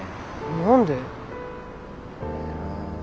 何で？